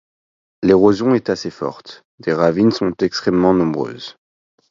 L'érosion est assez forte, des ravines sont extrêmement nombreuses.